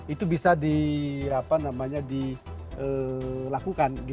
itu bisa dilakukan